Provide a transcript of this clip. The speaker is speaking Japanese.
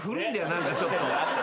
何かちょっと。